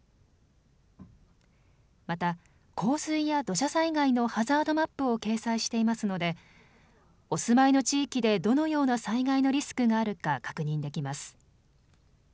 また、洪水や土砂災害のハザードマップを掲載していますのでお住まいの地域でどのような災害のリスクがあるか確認できます。